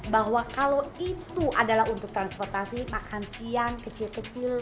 bahwa kalau itu adalah untuk transportasi makan siang kecil kecil